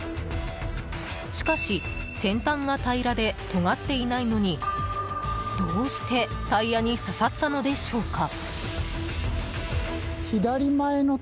しかし、先端が平らでとがっていないのにどうしてタイヤに刺さったのでしょうか。